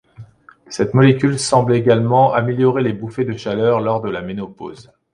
Cette molécule semble également améliorer les bouffées de chaleur lors de la ménopause.